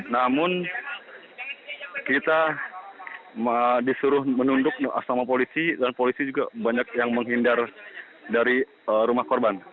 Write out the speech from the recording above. namun kita disuruh menunduk sama polisi dan polisi juga banyak yang menghindar dari rumah korban